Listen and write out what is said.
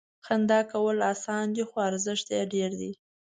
• خندا کول اسانه دي، خو ارزښت یې ډېر دی.